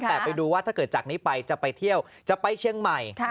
แต่ไปดูว่าถ้าเกิดจากนี้ไปจะไปเที่ยวจะไปเชียงใหม่